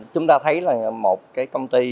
chúng ta thấy là một cái công ty